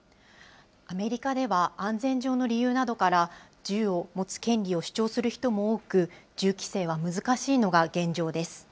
アメリカでは安全上の理由などから、銃を持つ権利を主張する人も多く、銃規制は難しいのが現状です。